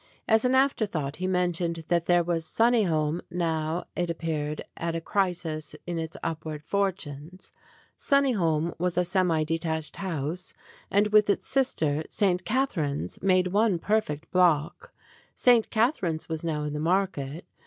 As an after thought he mentioned that there was "Sunni holme" now, it appeared, at a crisis in its upward fortunes. "Sunniholme" was a semi detached house, and with its sister, "St. Catherine's," made one perfect block. "St. Catherine's" was now in the market.